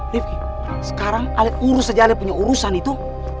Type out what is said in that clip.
riefki sekarang ali urus aja ali punya urusan itu